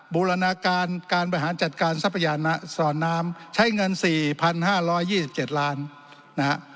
หุลนาการการประหารจัดการทรัพยานส่อนน้ำใช้เงิน๔๕๒๗ล้าน